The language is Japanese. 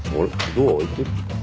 ドア開いてる？